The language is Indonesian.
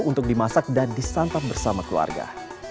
untuk dimasak dan disantap bersama keluarga